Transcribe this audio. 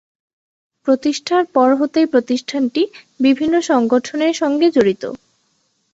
প্রতিষ্ঠার পর হতেই প্রতিষ্ঠানটি বিভিন্ন সংগঠনের সঙ্গে জড়িত।